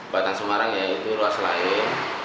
batang semarang ya itu ruas lain